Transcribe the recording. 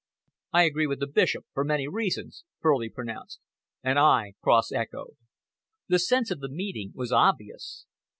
"I agree with the Bishop, for many reasons," Furley pronounced. "And I," Cross echoed. The sense of the meeting was obvious.